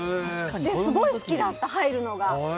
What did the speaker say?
すごい好きだった、入るのが。